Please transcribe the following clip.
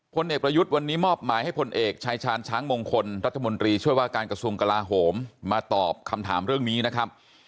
พลเอกประยุทธ์วันนี้มอบหมายให้พลเอกชายชาญช้างมงคลรัฐมนตรีช่วยว่าการกระทรวงกลาโหมมาตอบคำถามเรื่องนี้นะครับ